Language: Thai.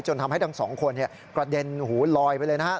ทำให้ทั้งสองคนกระเด็นหูลอยไปเลยนะฮะ